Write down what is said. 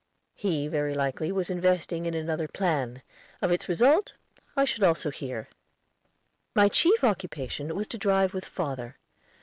He very likely was investing in another plan. Of its result I should also hear. My chief occupation was to drive with father.